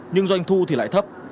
nhưng doanh thu thì lại thấp